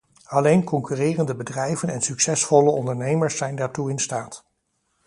Alleen concurrerende bedrijven en succesvolle ondernemers zijn daartoe in staat.